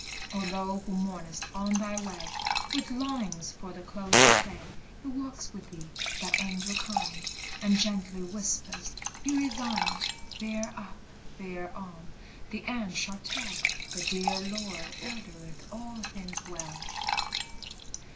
O thou who mournest on thy way, With longings for the close of day; He walks with thee, that Angel kind, And gently whispers, "Be resigned: Bear up, bear on, the end shall tell The dear Lord ordereth all things well!"